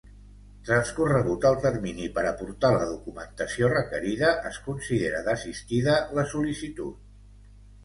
Transcorregut el termini per aportar la documentació requerida, es considera desistida la sol·licitud.